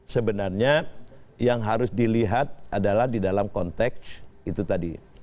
sebenarnya yang harus dilihat adalah di dalam konteks itu tadi